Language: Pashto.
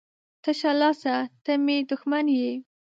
ـ تشه لاسه ته مې دښمن یې.